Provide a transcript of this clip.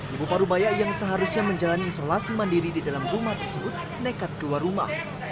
ibu parubaya yang seharusnya menjalani isolasi mandiri di dalam rumah tersebut nekat keluar rumah